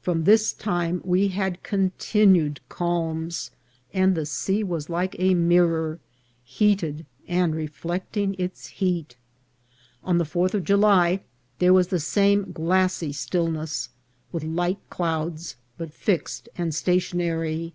From this time we had continued calms, and the sea was like a mirror, heated and reflecting its heat. On the Fourth of July there was the same glassy stillness, with light clouds, but fixed and stationary.